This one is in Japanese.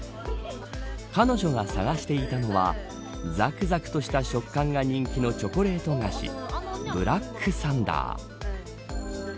彼女が探していたのはざくざくとした食感が人気のチョコレート菓子ブラックサンダー。